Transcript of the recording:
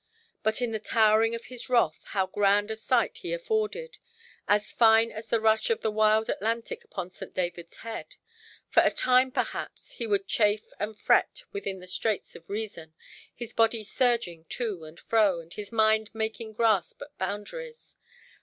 But in the towering of his wrath, how grand a sight he afforded! as fine as the rush of the wild Atlantic upon St. Davidʼs Head. For a time, perhaps, he would chafe and fret within the straits of reason, his body surging to and fro, and his mind making grasp at boundaries.